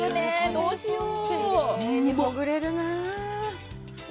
どうしよう。